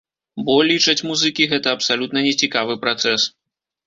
Бо, лічаць музыкі, гэта абсалютна не цікавы працэс.